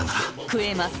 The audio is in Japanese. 食えます！